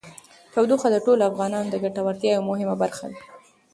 تودوخه د ټولو افغانانو د ګټورتیا یوه مهمه برخه ده.